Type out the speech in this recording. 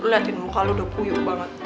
lo liatin muka lo udah puyuh banget